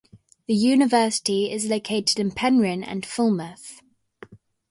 The university is located in Penryn and Falmouth.